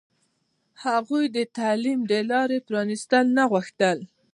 هغوی د تعلیم د لارې پرانستل نه غوښتل.